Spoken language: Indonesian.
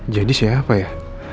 jadi siapa ya